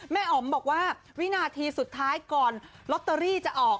อ๋อมบอกว่าวินาทีสุดท้ายก่อนลอตเตอรี่จะออก